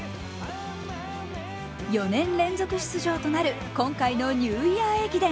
４年連続出場となる今回のニューイヤー駅伝。